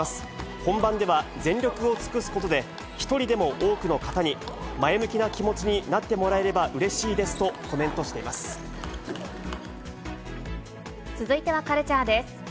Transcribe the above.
本番では全力を尽くすことで、一人でも多くの方に、前向きな気持ちになってもらえればうれしいですとコメントしてい続いてはカルチャーです。